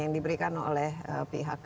yang diberikan oleh pihak